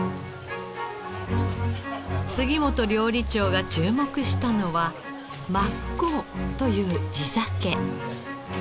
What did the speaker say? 杉本料理長が注目したのは真向という地酒。